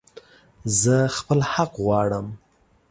زه خپل حق غواړم